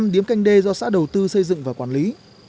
điếm canh d do xã đầu tư xây dựng và quản lý